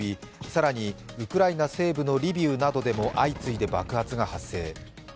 更にウクライナ西部のリビウなどでも相次いで爆発が発生。